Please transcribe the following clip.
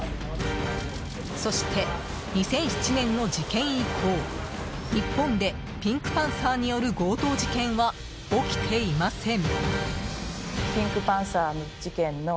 そして、２００７年の事件以降日本でピンクパンサーによる強盗事件は起きていません。